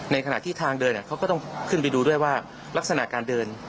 ขณะที่ทางเดินเขาก็ต้องขึ้นไปดูด้วยว่าลักษณะการเดิน